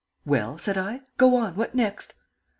"Well?" said I. "Go on. What next?"